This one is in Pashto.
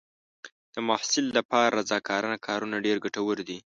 د محصل لپاره رضاکارانه کارونه ډېر ګټور دي.